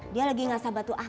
dia lagi gak sabar sabar deh ya